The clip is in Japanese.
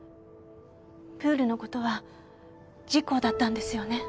プールのことは事故だったんですよね？